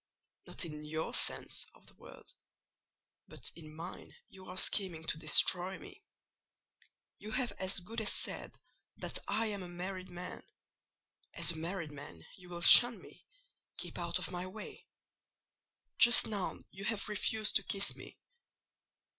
"Not in your sense of the word, but in mine you are scheming to destroy me. You have as good as said that I am a married man—as a married man you will shun me, keep out of my way: just now you have refused to kiss me.